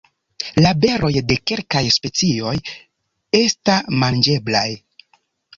La beroj de kelkaj specioj esta manĝeblaj.